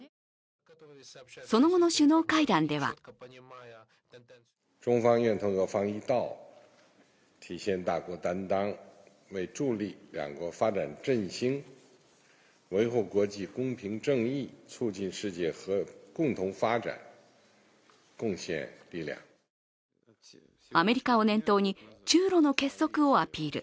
その後の首脳会談ではアメリカを念頭に中ロの結束をアピール。